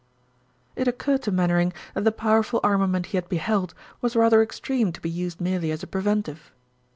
It occurred to Mainwaring that the powerful armament he had beheld was rather extreme to be used merely as a preventive.